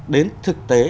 đến thực tế